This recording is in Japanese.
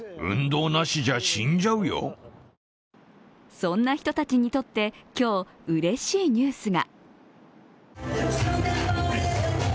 そんな人たちにとって今日、うれしいニュースが。